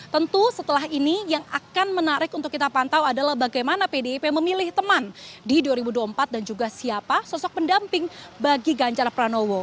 tentu setelah ini yang akan menarik untuk kita pantau adalah bagaimana pdip memilih teman di dua ribu dua puluh empat dan juga siapa sosok pendamping bagi ganjar pranowo